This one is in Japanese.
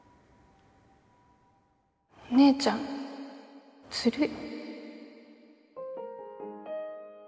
お姉ちゃんずるい。